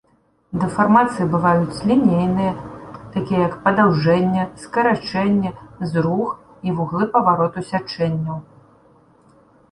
Дэфармацыі бываюць лінейныя, такія як падаўжэнне, скарачэнне, зрух і вуглы павароту сячэнняў.